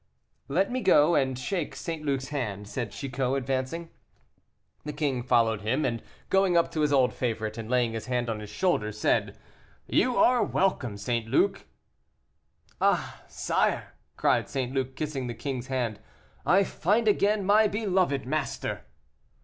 "Let me go and shake St. Luc's hand," said Chicot, advancing. The king followed him, and going up to his old favorite, and laying his hand on his shoulder, said, "You are welcome, St. Luc!" "Ah! sire," cried St. Luc, kissing the king's hand, "I find again my beloved master."